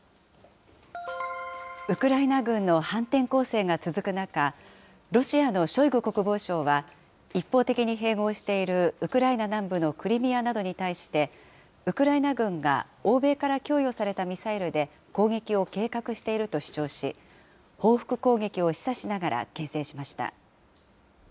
ウクライナ軍の反転攻勢が続く中、ロシアのショイグ国防相は、一方的に併合しているウクライナ南部のクリミアなどに対して、ウクライナ軍が欧米から供与されたミサイルで攻撃を計画していると主張し、報復攻撃を示唆しながらけん制しました。